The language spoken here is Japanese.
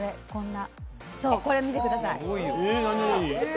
これ見てください。